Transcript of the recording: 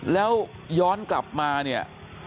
แล้วย้อนกลับมาเนี่ย